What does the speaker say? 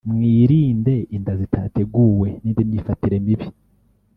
mwirinde inda zitateguwe n’indi myifatire mibi